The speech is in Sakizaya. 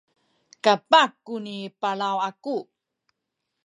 kapah kuni palaw aku